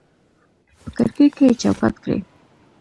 په کړکۍ کې یې چوکاټ کړي